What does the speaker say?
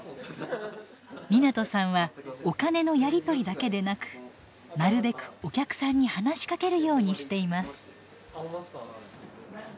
湊さんはお金のやり取りだけでなくなるべくお客さんに話しかけるようにしています。